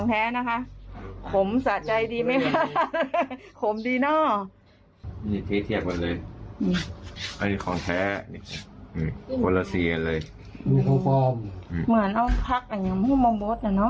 เขาจะแชนปลูกไม้ล้อเป็นไม้มาโบสไตรอย่างนั้น